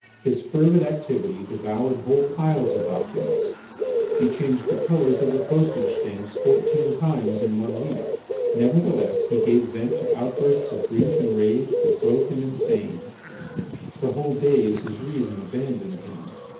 His fervid activity devoured whole piles of documents; he changed the colours of the postage stamps fourteen times in one week. Nevertheless, he gave vent to outbursts of grief and rage that drove him insane; for whole days his reason abandoned him.